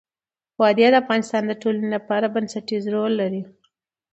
وادي د افغانستان د ټولنې لپاره بنسټيز رول لري.